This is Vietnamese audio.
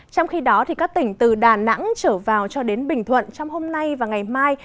trong khi đó các tỉnh từ đà nẵng trở vào cho đến bình thuận trong hôm nay và ngày mai